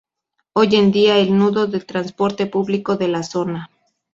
Hoy en día, es el nudo del transporte público de la zona.